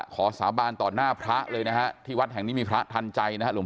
สาบานต่อหน้าพระเลยนะฮะที่วัดแห่งนี้มีพระทันใจนะครับ